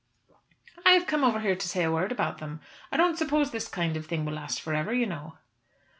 "I have come over here to say a word about them. I don't suppose this kind of thing will last for ever, you know."